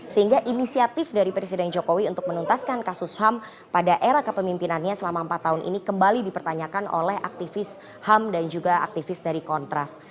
sehingga inisiatif dari presiden jokowi untuk menuntaskan kasus ham pada era kepemimpinannya selama empat tahun ini kembali dipertanyakan oleh aktivis ham dan juga aktivis dari kontras